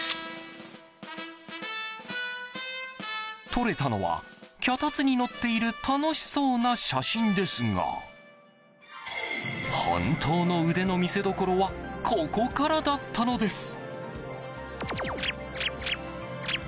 撮れたのは、脚立に乗っている楽しそうな写真ですが本当の腕の見せどころはここからだったのです。